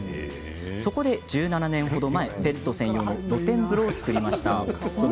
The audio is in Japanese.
そこで１７年ほど前ペット専用の露天風呂を作りました。